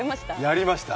やりました！